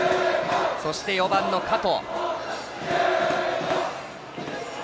そして、４番の加藤。